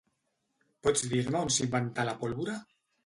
Pots dir-me on s'inventà la pólvora?